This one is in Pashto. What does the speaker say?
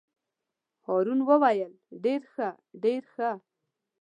هارون وویل: ډېر ښه ډېر ښه.